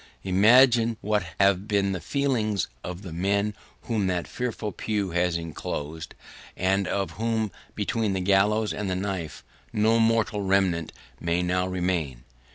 Imagine what have been the feelings of the men whom that fearful pew has enclosed, and of whom, between the gallows and the knife, no mortal remnant may now remain!